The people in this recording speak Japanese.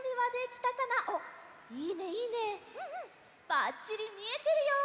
ばっちりみえてるよ！